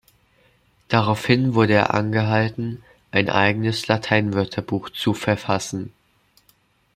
Daraufhin wurde er angehalten, ein eigenes Latein-Wörterbuch zu verfassen.